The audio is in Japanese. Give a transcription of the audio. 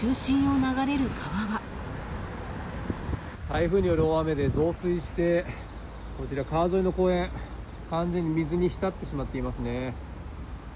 台風による大雨で増水して、こちら、川沿いの公園、完全に水に浸ってしまっていますね。